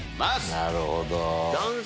なるほど。